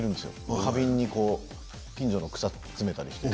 花瓶に近所の草を詰めたりして。